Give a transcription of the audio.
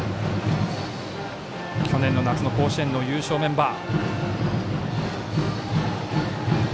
去年の夏の甲子園の優勝メンバー。